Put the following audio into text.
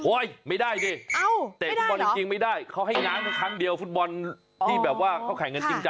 ไม่ได้ดิเตะฟุตบอลจริงไม่ได้เขาให้ง้างแค่ครั้งเดียวฟุตบอลที่แบบว่าเขาแข่งกันจริงจัง